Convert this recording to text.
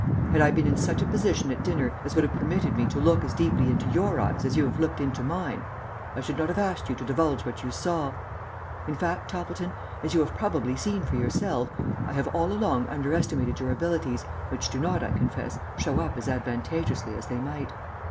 Had I been in such a position at dinner as would have permitted me to look as deeply into your eyes as you looked into mine, I should not have asked you to divulge what you saw. In fact, Toppleton, as you have probably seen for yourself, I have all along under estimated your abilities, which do not, I confess, show up as advantageously as they might.